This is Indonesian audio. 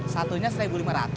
satunya rp satu lima ratus